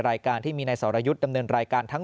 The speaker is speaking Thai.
รายการที่มีนายสรยุทธ์ดำเนินรายการทั้ง